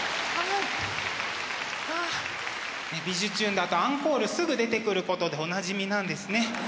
だとアンコールすぐ出てくることでおなじみなんですね。